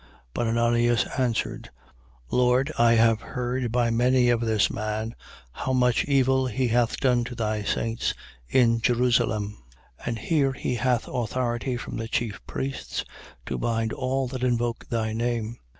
9:13. But Ananias answered: Lord, I have heard by many of this man, how much evil he hath done to thy saints in Jerusalem. 9:14. And here he hath authority from the chief priests to bind all that invoke thy name.